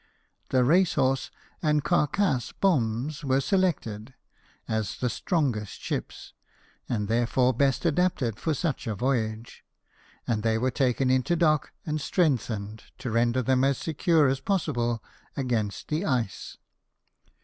The Race horse and Cavcass bombs were selected, as the strongest ships, and therefore best adapted for such a voyage ; and they were taken into dock and strengthened, to render them as secure as possible against the ice.